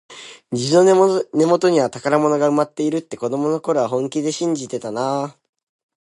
虹の根元には宝物が埋まっているって、子どもの頃は本気で信じてたなあ。